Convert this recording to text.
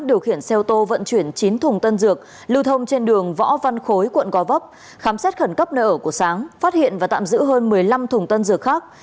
điều khiển xe ô tô vận chuyển chín thùng tân dược lưu thông trên đường võ văn khối quận gò vấp khám xét khẩn cấp nơi ở của sáng phát hiện và tạm giữ hơn một mươi năm thùng tân dược khác